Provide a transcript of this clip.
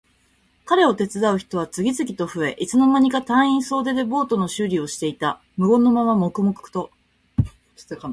彼を手伝う人は次々と増え、いつの間にか隊員総出でボートの修理をしていた。無言のまま黙々と。